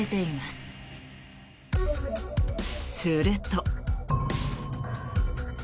すると。